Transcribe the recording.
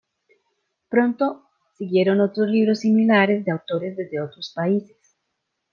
Pronto siguieron otros libros similares de autores desde otros países.